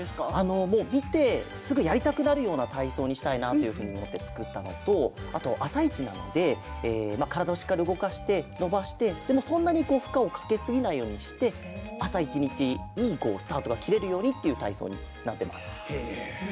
見てすぐやりたくなるような体操にしたいなというふうに思って作ったのとあと、朝一なので体をしっかり動かして伸ばしてでも、そんなに負荷をかけすぎないようにして朝１日、いいスタートが切れるようにっていう体操になってます。